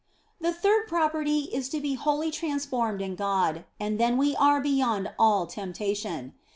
The third property is to be wholly transformed in God, and then we are beyond all temptation.